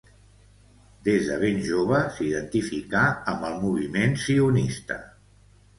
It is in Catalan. Des de ben jove s'identificà amb el moviment sionista.